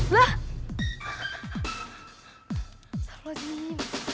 lah salah gini